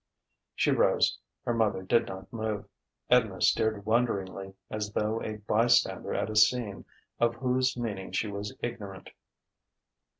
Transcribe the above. She rose. Her mother did not move. Edna stared wonderingly, as though a bystander at a scene of whose meaning she was ignorant.